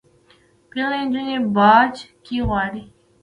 پیغلي نجوني باج کي غواړي